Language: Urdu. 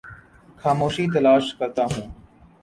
خاموشی تلاش کرتا ہوں